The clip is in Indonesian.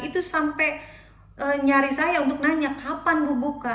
itu sampai nyari saya untuk nanya kapan gue buka